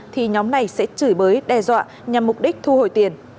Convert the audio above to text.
thì nhóm này sẽ chửi bới đe dọa nhằm mục đích thu hồi tiền